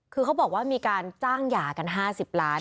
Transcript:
คือเขาบอกว่ามีการจ้างหย่ากัน๕๐ล้าน